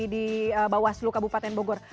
di bawaslu kabupaten bogor